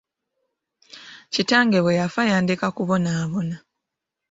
Kitange bwe yafa, yandeka kubonabona.